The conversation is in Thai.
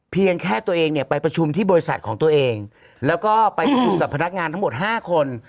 เพียงแค่ตัวเองเนี่ยไปประชุมที่บริษัทของตัวเองแล้วก็ไปประชุมกับพนักงานทั้งหมดห้าคน